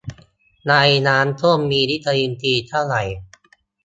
ในน้ำส้มมีวิตามินซีเท่าไร